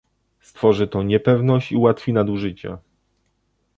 Stworzy to niepewność i ułatwi nadużycia